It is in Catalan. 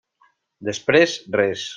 Després, res.